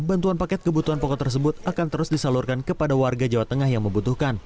bantuan paket kebutuhan pokok tersebut akan terus disalurkan kepada warga jawa tengah yang membutuhkan